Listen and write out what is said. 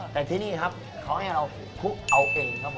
แต่ที่นี่ครับเขาให้เราผู้เอาเองครับผม